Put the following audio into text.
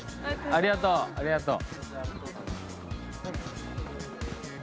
ありがとうありがとう。